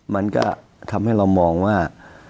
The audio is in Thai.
มันก็ทำให้เรามองว่า